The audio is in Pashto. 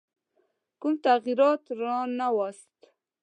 کوم تغییر رانه ووست.